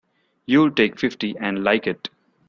You'll take fifty and like it!